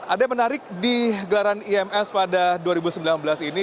ada yang menarik di gelaran ims pada dua ribu sembilan belas ini